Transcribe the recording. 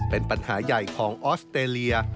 เป็นปัญหาใหญ่ของออสเตรเลีย